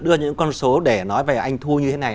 đưa những con số để nói về anh thu như thế này